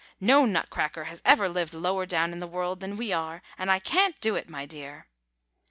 No Nutcracker has ever lived lower down in the world than we are! and I can't do it, my dear!